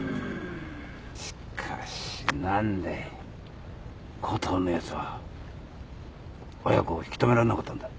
しかし何でコトーのヤツは彩佳を引き止められなかったんだ。